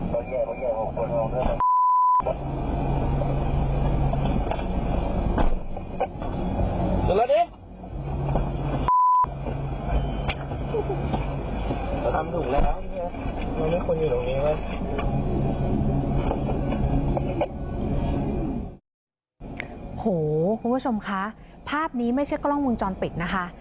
โอ้โหคุณผู้ชมคะภาพนี้ไม่ใช่กล้องวงจรปิดนะคะ